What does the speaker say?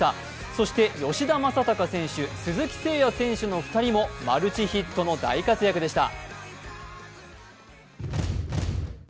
そして吉田正尚選手鈴木誠也選手の２人もマルチヒットの大活躍でした。